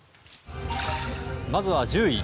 まずは１０位。